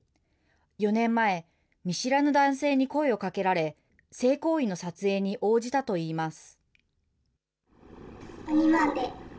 ４年前、見知らぬ男性に声をかけられ、性行為の撮影に応じたといいます。